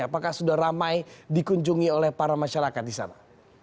apakah sudah ramai dikunjungi oleh para masyarakat di sana